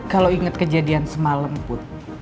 kalau ingat kejadian semalam pun